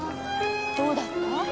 どうだった？